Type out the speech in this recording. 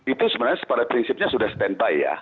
itu sebenarnya pada prinsipnya sudah stand by ya